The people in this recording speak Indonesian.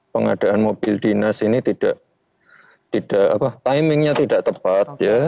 pengadaan mobil dinas ini tidak timingnya tidak tepat